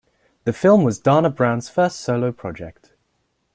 This film was Dana Brown's first solo project.